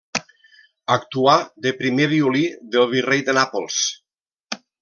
Actuà de primer violí del virrei de Nàpols.